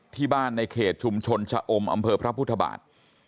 ที่บ้านในเขตชุมชนชะอมอำเภอพระพุทธบาท